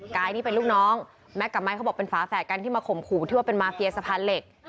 กายนี่เป็นลูกน้องแม็กซกับไม้เขาบอกเป็นฝาแฝดกันที่มาข่มขู่ที่ว่าเป็นมาเฟียสะพานเหล็ก